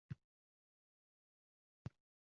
O‘l deydigan odam yo‘q